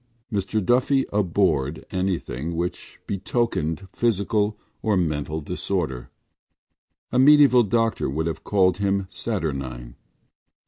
Mr Duffy abhorred anything which betokened physical or mental disorder. A mediæval doctor would have called him saturnine.